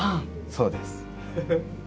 そうです。